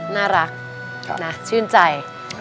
น่ารักนะชื่นใจ